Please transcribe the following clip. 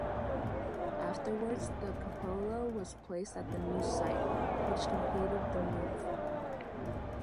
Afterwards the cupola was placed at the new site, which completed the move.